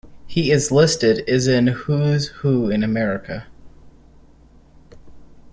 He is listed is in "Who's Who In America".